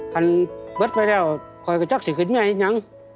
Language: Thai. กันบัดไปแล้วคอยกระจักษ์สิกินแม่ยัง